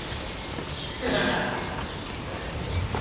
Variations of the technique have also been used for scientific purposes.